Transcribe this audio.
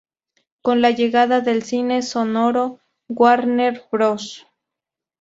Con la llegada del cine sonoro, Warner Bros.